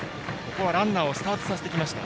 ここはランナーをスタートさせてきました。